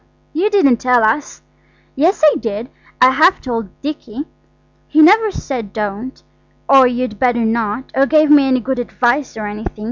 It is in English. "You didn't tell us." "Yes, I did. I half told Dicky. He never said don't, or you'd better not, or gave me any good advice or anything.